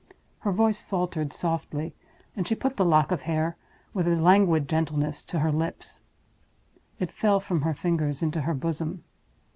Her voice faltered softly, and she put the lock of hair, with a languid gentleness, to her lips. It fell from her fingers into her bosom.